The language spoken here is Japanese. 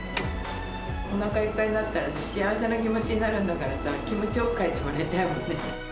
おなかいっぱいになったら幸せな気持ちになるんだからさ、気持ちよく帰ってもらいたいもん